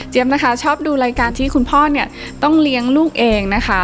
นะคะชอบดูรายการที่คุณพ่อเนี่ยต้องเลี้ยงลูกเองนะคะ